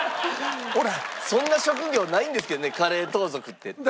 そんな職業ないんですけどねカレー盗賊って。